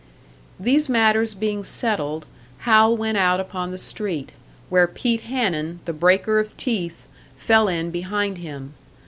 These matters being settled, Hal went out upon the street, where Pete Hanun, the breaker of teeth, fell in behind him.